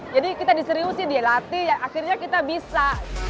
jadi kita diseriusin dilatih akhirnya kita bisa